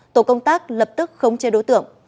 tổ công tác lập tức không chê đối tượng